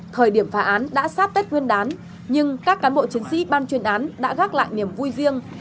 thời điểm phá án đã sát tết nguyên đán nhưng các cán bộ chiến sĩ ban chuyên án đã gác lại niềm vui riêng